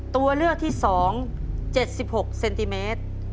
ตัวเลือกที่๒๗๖เซนติเมตร